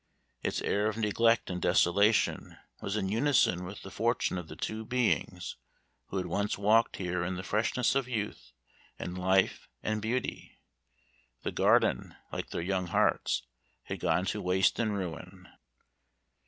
Its air of neglect and desolation was in unison with the fortune of the two beings who had once walked here in the freshness of youth, and life, and beauty. The garden, like their young hearts, had gone to waste and ruin.